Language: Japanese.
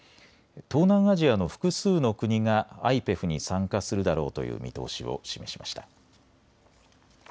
東南アジアの複数の国がＩＰＥＦに参加するだろうという見通しを示しました。